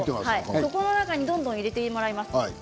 その中にどんどん入れてもらいます。